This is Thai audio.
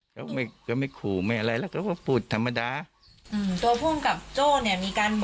ช่างแดงค่ะในฐาวะที่ช่างแดงก็เคยมีโอกาสเจอพุ่งกับโจ้เนาะ